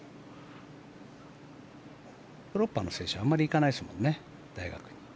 ヨーロッパの選手はあまり行かないですもんね大学に。